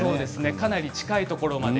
かなり近いところまで。